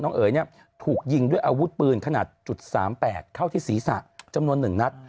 น้องเอ๋ยเนี่ยถูกยิงด้วยอาวุธปืนขนาดจุดสามแปดเข้าที่ศรีษะจำนวนหนึ่งนัด